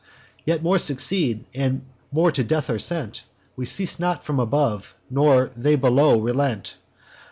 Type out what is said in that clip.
Yet more succeed, and more to death are sent; We cease not from above, nor they below relent.